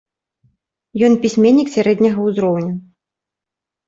Ён пісьменнік сярэдняга ўзроўню.